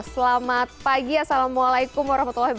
selamat pagi assalamualaikum wr wb